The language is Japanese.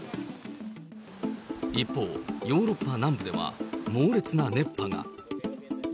一方、ヨーロッパ南部では、猛烈な熱波が。